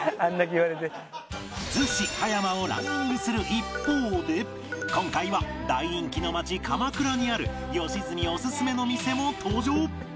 逗子葉山をランニングする一方で今回は大人気の町鎌倉にある良純オススメの店も登場